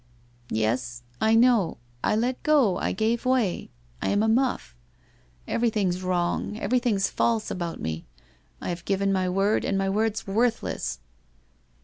'Yes? I know. I let go, I gave way, I am a muff. Evenihing's wrong — everything's false about me. I have given my word, and my word's worthless